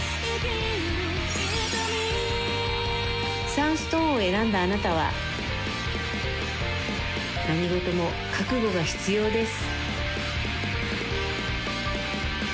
サンストーンを選んだあなたは何事も覚悟が必要です